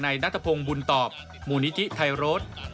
นายนัทพงบุญตอบมูนิธิไทยรถ